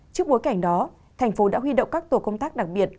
trước bối cảnh đó thành phố đã huy động các tổ công tác đặc biệt